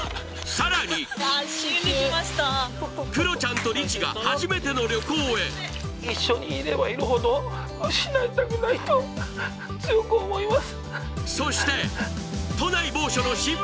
さらにクロちゃんとリチが初めての旅行へ一緒にいればいるほど失いたくないと強く思います